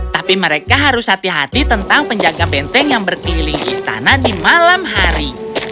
tapi mereka harus hati hati tentang penjaga benteng yang berkeliling istana di malam hari